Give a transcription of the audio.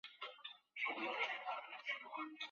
续彦三为日本明治时期政府官员。